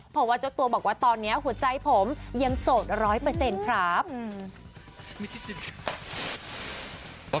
เพราะว่าเจ้าตัวบอกว่าตอนนี้หัวใจผมยังโสดร้อยเปอร์เซ็นต์ครับ